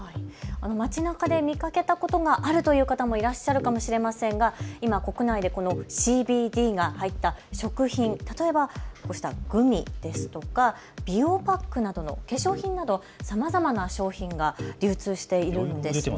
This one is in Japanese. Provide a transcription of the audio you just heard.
街なかで見かけたことがあるという方もいらっしゃるかもしれませんが今、国内でこのＣＢＤが入った食品、例えばこうしたグミですとか美容パックなどの化粧品など、さまざまな商品が流通しているんです。